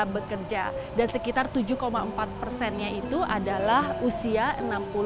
bekerja dan sekitar tujuh empat persennya itu ada di dalam usia bekerja dan sekitar tujuh empat persennya itu ada di